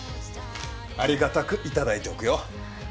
ありがたく頂いておくよ。